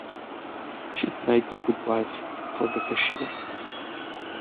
She'd make a good wife for the cashier.